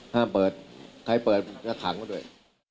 ห้ามเปิดใครเปิดก็ขังมาด้วย